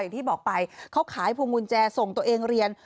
อย่างที่บอกไปเขาขายพวงกุญแจส่งตัวเองเรียน